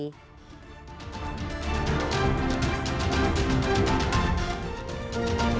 bersama kami di layar demokrasi